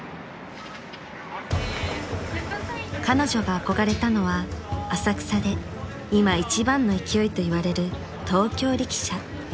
［彼女が憧れたのは浅草で今一番の勢いといわれる東京力車］